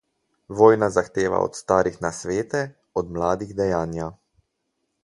Vojna zahteva od starih nasvete, od mladih dejanja.